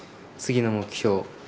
次の目標